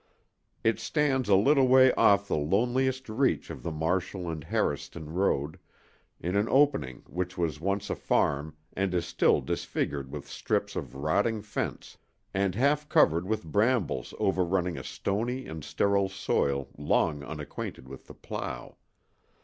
It stands a little way off the loneliest reach of the Marshall and Harriston road, in an opening which was once a farm and is still disfigured with strips of rotting fence and half covered with brambles overrunning a stony and sterile soil long unacquainted with the plow.